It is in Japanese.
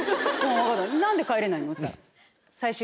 「何で帰れないの？」。